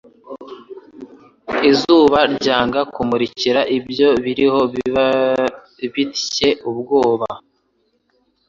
Izuba ryanga kumruikira ibyo biriho biba bitcye ubwoba.